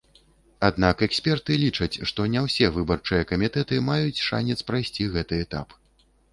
Аднак эксперты лічаць, што не ўсе выбарчыя камітэты маюць шанец прайсці гэты этап.